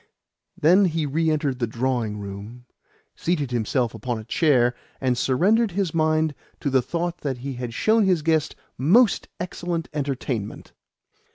Then he re entered the drawing room, seated himself upon a chair, and surrendered his mind to the thought that he had shown his guest most excellent entertainment.